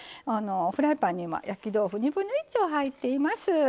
フライパンに今焼き豆腐1/2丁入っています。